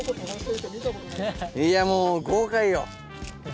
いやもう豪快よ。